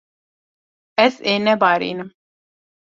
Ez ê nebarînim.